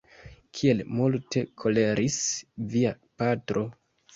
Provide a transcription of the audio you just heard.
Kiel multe koleris via patro!